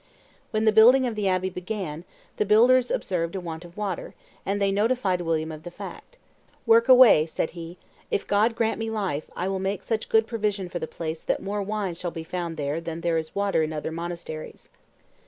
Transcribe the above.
When the building of the abbey began, the builders observed a want of water; and they notified William of the fact. "Work away," said he: "if God grant me life, I will make such good provision for the place that more wine shall be found there than there is water in other monasteries."